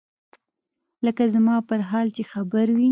لکه زما پر حال چې خبر وي.